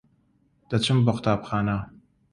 دەچم بۆ قوتابخانە.